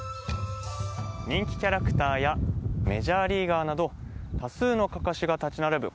人気キャラクターやメジャーリーガーなど多数のかかしが立ち並ぶ